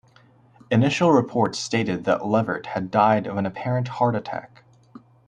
Initial reports stated that Levert had died of an apparent heart attack.